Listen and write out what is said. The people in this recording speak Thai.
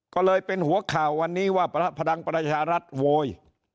ก็เลยเป็นหัวข่าววันนี้ว่าพลังประชารัฐโวย